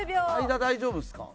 間大丈夫ですか？